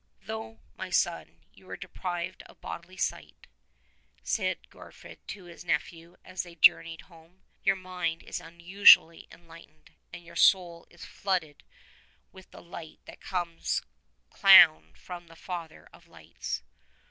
'Though, my son, you are deprived of bodily sight," said Gorfoed to his nephew as they journeyed home, "your mind is unusually enlightened, and your soul is flooded with the 104 light that comes down from the Father of Lights.